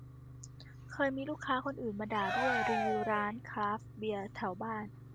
เคยมีลูกค้าคนอื่นมาด่าด้วย รีวิวร้านคราฟต์เบียร์แถวบ้าน